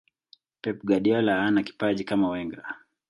pep guardiola hana kipaji kama wenger